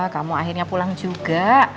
kamu akhirnya pulang juga